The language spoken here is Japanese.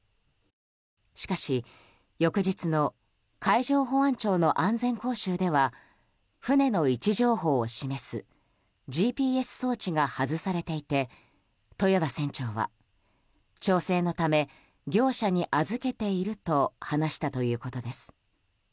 しかし、翌日の海上保安庁の安全講習では船の位置情報を示すＧＰＳ装置が外されていて豊田船長は調整のため業者に預けていると話したということです。